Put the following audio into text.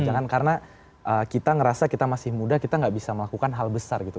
jangan karena kita ngerasa kita masih muda kita gak bisa melakukan hal besar gitu